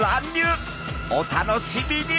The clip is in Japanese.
お楽しみに！